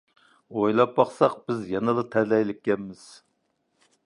ئويلاپ باقساق بىز يەنىلا تەلەيلىككەنمىز.